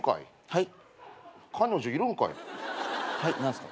はい。